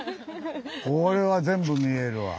これは全部見えるわ。